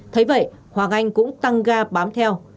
thế vậy hoàng anh cũng tăng ga bám theo